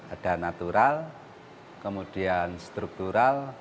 ada natural kemudian struktural